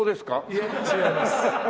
いえ違います。